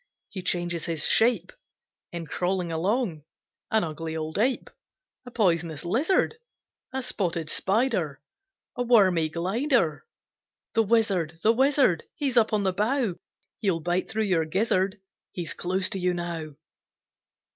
He changes his shape In crawling along, An ugly old ape, A poisonous lizard, A spotted spider, A wormy glider, The Wizard! the Wizard! He's up on the bough, He'll bite through your gizzard He's close to you now!